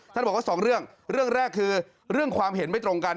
ท่านบอกว่าสองเรื่องเรื่องแรกคือเรื่องความเห็นไม่ตรงกัน